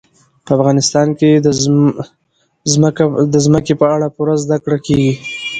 په افغانستان کې د ځمکه په اړه پوره زده کړه کېږي.